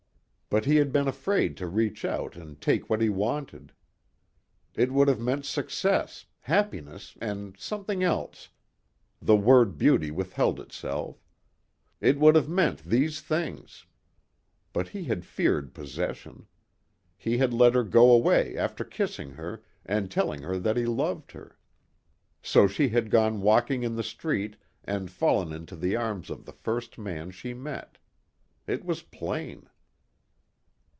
But he had been afraid to reach out and take what he wanted. It would have meant success, happiness and something else the word beauty withheld itself it would have meant these things. But he had feared possession. He had let her go away after kissing her and telling her that he loved her. So she had gone walking in the street and fallen into the arms of the first man she met. It was plain.